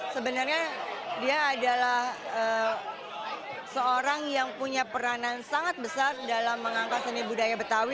sebenarnya dia adalah seorang yang punya peranan sangat besar dalam mengangkat seni budaya betawi